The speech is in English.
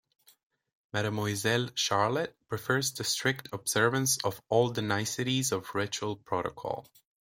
Mademoiselle Charlotte prefers the strict observance of all the niceties of ritual protocol.